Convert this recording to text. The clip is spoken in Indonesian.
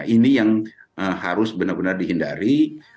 ini yang harus benar benar dihindari